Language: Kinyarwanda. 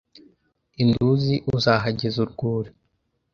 I Nduzi uzahageza urwuri